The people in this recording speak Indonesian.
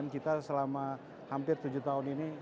kita selama hampir tujuh tahun ini